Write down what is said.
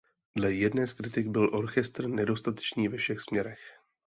Dle jedné z kritik byl orchestr „nedostatečný ve všech směrech“.